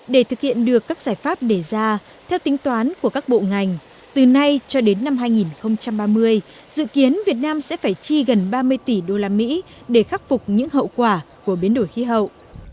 để thực hiện được các giải pháp để ra theo tính toán của các bộ ngành từ nay cho đến năm hai nghìn ba mươi dự kiến việt nam sẽ phải chi gần ba mươi tỷ usd để khắc phục những hậu quả của biến đổi khí hậu